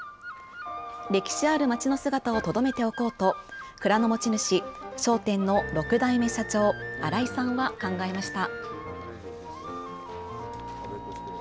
歴史ある町の姿をとどめておこうと、蔵の持ち主、商店の６代目社長、新井さんは考えました。